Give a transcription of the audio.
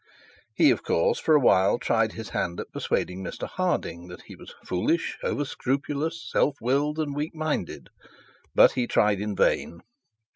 He of course, for a while tried his hand at persuading Mr Harding that he was foolish, over scrupulous, self willed, and weak minded; but he tried in vain.